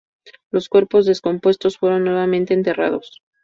Los cuerpos descompuestos fueron nuevamente enterrados.